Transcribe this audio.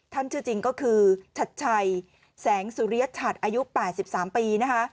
ชื่อจริงก็คือชัดชัยแสงสุริยชัดอายุ๘๓ปีนะคะ